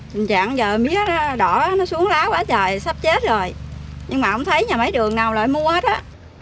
tình trạng giờ mía đỏ nó xuống lá quá trời sắp chết rồi nhưng mà không thấy nhà máy đường nào lại mua hết á